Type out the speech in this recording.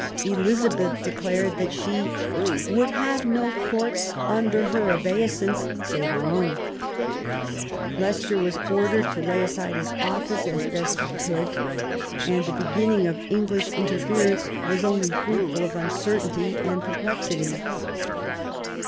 Elizabeth declared that she " would have no Courts under her obeisance save her own ". Leicester was ordered to lay aside his office as best he could; and the beginning of English interference was only fruitful of uncertainty and perplexity.